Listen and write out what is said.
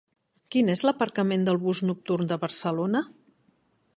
Quin és l'aparcament del bus nocturn de Barcelona?